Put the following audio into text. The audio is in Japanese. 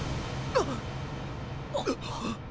あっ！